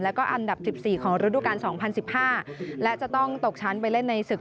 แล้วก็อันดับสิบสี่ของระดูกการสองพันสิบห้าและจะต้องตกชั้นไปเล่นในศึก